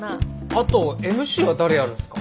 あとＭＣは誰やるんすか？